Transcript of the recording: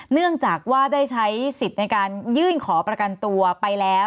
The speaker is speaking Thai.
เนื่องจากว่าได้ใช้สิทธิ์ในการยื่นขอประกันตัวไปแล้ว